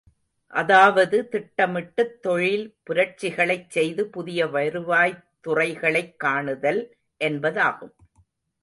அதாவது திட்டமிட்டுத் தொழில் புரட்சிகளைச் செய்து புதிய வருவாய்த் துறைகளைக் காணுதல் என்பதாகும்.